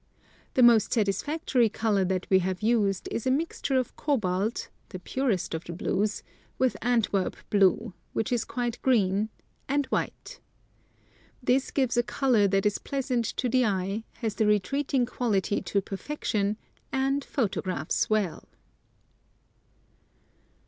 The most satisfactory color that we have used is a mixture of cobalt — the purest of the blues — with Antwerp blue — which is quite green — and white. This gives a color that is pleasant to the eye, has the retreating quality to perfection, and photographs well.